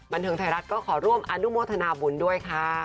บันเทิงไทยรัฐก็ขอร่วมอนุโมทนาบุญด้วยค่ะ